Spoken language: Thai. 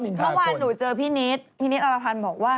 เมื่อวานหนูเจอพี่นิดพี่นิดอรพันธ์บอกว่า